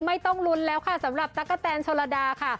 ไม่ต้องลุ้นแล้วค่ะสำหรับตั๊กกะแตนโชลดาค่ะ